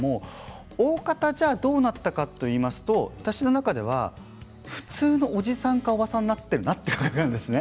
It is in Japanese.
おおかた、どうなったかといいますと、私の中では普通のおじさんかおばさんになっているなという感じなんです。